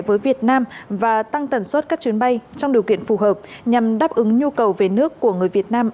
với việt nam và tăng tần suất các chuyến bay trong điều kiện phù hợp nhằm đáp ứng nhu cầu về nước của người việt nam